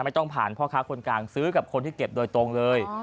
ไม่ต้องผ่านพ่อค้าคนกลางซื้อกับคนที่เก็บโดยตรงเลย